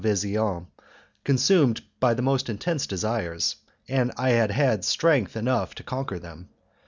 Vesian, consumed by the most intense desires, and I had had strength enough to conquer them.